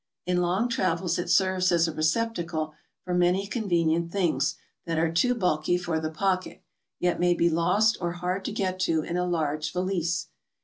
In long travels it serves as a receptacle for many con venient things that are too bulky for the pocket, yet may be lost or hard to get to in a large valise.